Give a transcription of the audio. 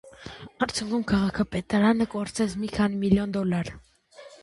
Արդյունքում քաղաքապետարանը կորցրեց մի քանի միլիոն դոլար։